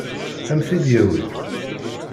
Ad m-t-id-yawi?